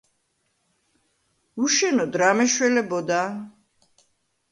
უშენოდ რა მეშველებოდა?